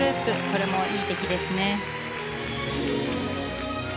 これもいい出来ですね。